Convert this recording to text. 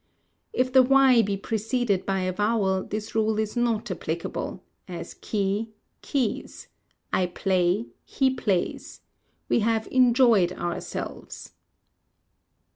_ If the y be preceded by a vowel, this rule is not applicable; as key, keys; I play, he plays; we have enjoyed ourselves.